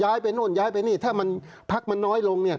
ไปโน่นย้ายไปนี่ถ้ามันพักมันน้อยลง